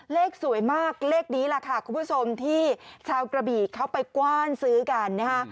เลขสวยมากเลขนี้แหละค่ะคุณผู้ชมที่ชาวกระบี่เขาไปกว้านซื้อกันนะฮะ